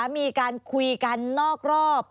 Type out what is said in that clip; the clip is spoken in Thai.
มีการคุยกันนอกรอบ